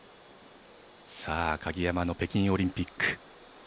鍵山の北京オリンピック。